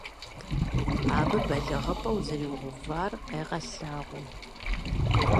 Абы балигъыпӏэ узэриувар къегъэлъагъуэ.